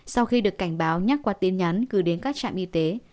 sau khi được cảnh báo nhắc qua tin nhắn gửi đến các trạm y tế